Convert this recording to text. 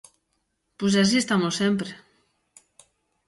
Pois así estamos sempre.